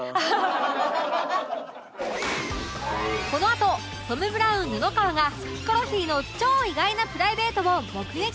このあとトム・ブラウン布川がヒコロヒーの超意外なプライベートを目撃！